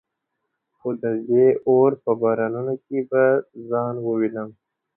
خو د دې اور په بارانونو کي به ځان ووينم”